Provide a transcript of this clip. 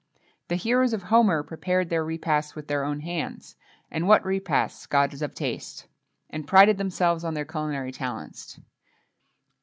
The heroes of Homer prepared their repasts with their own hands, and what repasts, gods of taste! and prided themselves on their culinary talents.